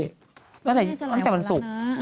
ตั้งแต่วันศุกร์